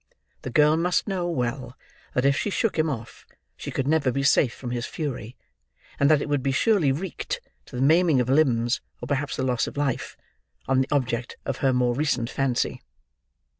The girl must know, well, that if she shook him off, she could never be safe from his fury, and that it would be surely wreaked—to the maiming of limbs, or perhaps the loss of life—on the object of her more recent fancy.